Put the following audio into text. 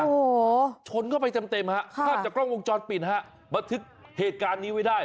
โอ้โหชนก็ไปเต็มครับข้ามจากกล้องวงจอดปิดครับมาถึกเหตุการณ์นี้ไว้ได้